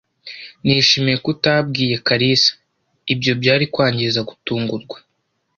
Nishimiye ko utabwiye kalisa. Ibyo byari kwangiza gutungurwa.